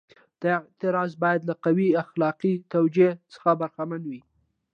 دا اعتراض باید له قوي اخلاقي توجیه څخه برخمن وي.